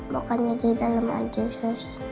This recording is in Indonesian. makanya di dalam aja sus